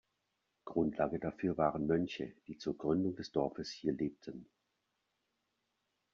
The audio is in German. Grundlage dafür waren Mönche, die zur Gründung des Dorfes hier lebten.